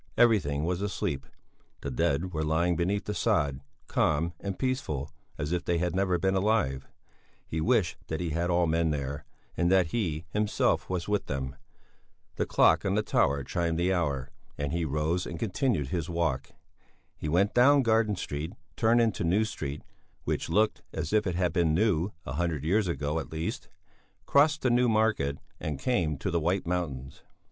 Everything was asleep; the dead were lying beneath the sod, calm and peaceful, as if they had never been alive; he wished that he had all men there, and that he, himself, was with them. The clock on the tower chimed the hour, and he rose and continued his walk. He went down Garden Street, turned into New Street which looked as if it had been new a hundred years ago at least crossed the New Market, and came to the White Mountains.